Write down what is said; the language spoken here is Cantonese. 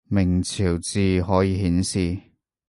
明朝字可以顯示